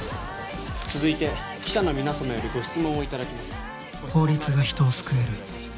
続いて記者の皆様よりご質問をいただきます「法律が人を救える」